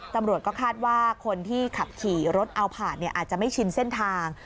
ตำรวจก็คาดว่าคนที่ขับขี่รถเอาผ่านอาจจะไม่ชินเส้นทาง